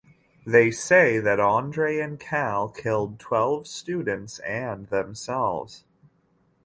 They say that Andre and Cal killed twelve students and themselves.